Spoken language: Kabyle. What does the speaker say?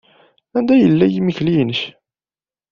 Anda yella yimekli-nnek?